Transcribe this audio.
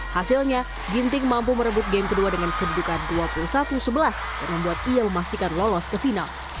hasilnya ginting mampu merebut game kedua dengan kedudukan dua puluh satu sebelas dan membuat ia memastikan lolos ke final